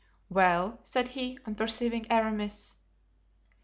"Well?" said he, on perceiving Aramis.